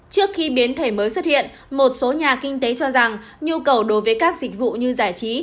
trước khi biến thể mới xuất hiện một số nhà kinh tế cho rằng nhu cầu đối với các dịch vụ như giải trí